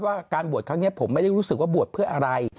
ว่าการบวชครั้งนี้ผมไม่ได้รู้สึกว่าบวชเพื่ออะไร